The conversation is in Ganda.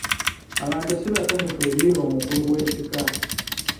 Abantu si basanyufu eri omukulu w'ekika.